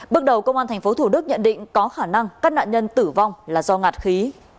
bước đầu công an tp thủ đức nhận định có khả năng các nạn nhân tử vong là do ngạt khí